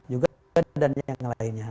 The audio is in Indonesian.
juga dan yang lainnya